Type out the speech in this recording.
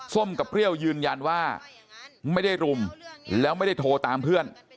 กับเปรี้ยวยืนยันว่าไม่ได้รุมแล้วไม่ได้โทรตามเพื่อน